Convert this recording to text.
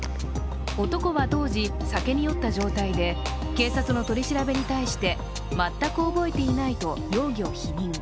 男は当時、酒に酔った状態で警察の取り調べに対して全く覚えていないと容疑を否認。